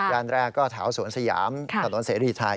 ด้านแรกก็แถวสวนสยามถนนเสรีชัย